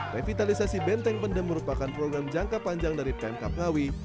revitalisasi benteng pendem merupakan program jangka panjang dari pmk ngawi